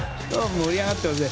盛り上がっていますね。